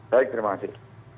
baik terima kasih